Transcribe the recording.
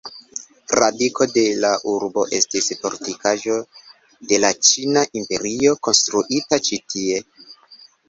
Radiko de la urbo estis fortikaĵo de la Ĉina Imperio, konstruita ĉi-tie.